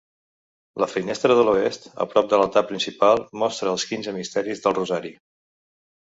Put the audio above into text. La finestra de l'oest, a prop de l'altar principal, mostra els quinze misteris del Rosari.